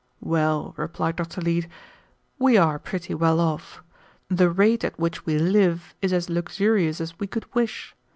"Well," replied Dr. Leete, "we are pretty well off. The rate at which we live is as luxurious as we could wish.